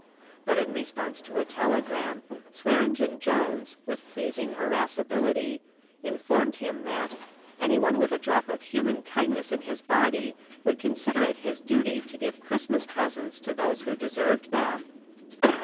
But in response to a telegram, Swearengen Jones, with pleasing irascibility, informed him that "anyone with a drop of human kindness in his body would consider it his duty to give Christmas presents to those who deserved them."